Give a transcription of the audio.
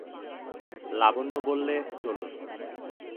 লাবণ্য বললে, চলুন।